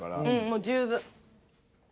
もう十分。